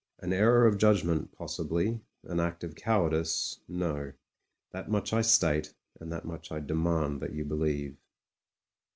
An error of judgment possibly; an act of cowardice — ^no. That much I state, and that much I demand that you believe.